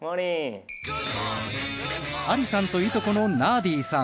アリさんといとこのナーディさん。